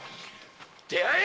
出会え！